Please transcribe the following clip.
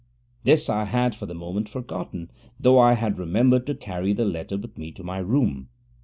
This I had for the moment forgotten, though I had remembered to carry the letter with me to my room.